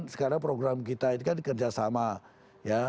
sekarang program kita ini kan kerjasama ya